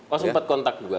oh sempat kontak juga